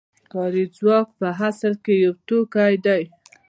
کاري ځواک په اصل کې یو توکی دی